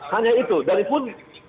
hanya itu dan pun